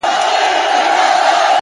مثبت فکر د ستونزو وزن کموي!